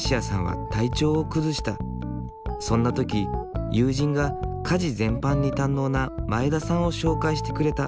そんな時友人が家事全般に堪能な前田さんを紹介してくれた。